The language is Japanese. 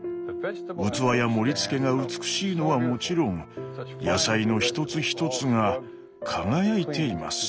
器や盛りつけが美しいのはもちろん野菜の一つ一つが輝いています。